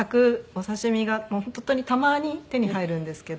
お刺し身が本当にたまに手に入るんですけど。